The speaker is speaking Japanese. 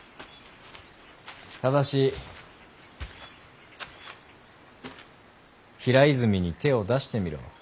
ただし平泉に手を出してみろ。